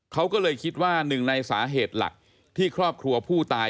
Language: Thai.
เขาก็เลยคิดว่าหนึ่งในสาเหตุหลักที่ครอบครัวผู้ตาย